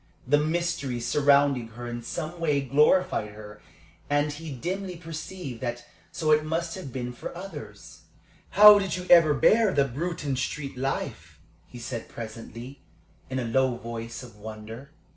The mystery surrounding her in some way glorified her, and he dimly perceived that so it must have been for others. "How did you ever bear the Bruton Street life?" he said, presently, in a low voice of wonder.